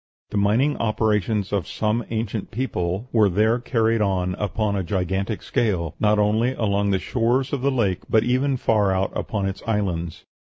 The mining operations of some ancient people were there carried on upon a gigantic scale, not only along the shores of the lake but even far out upon its islands.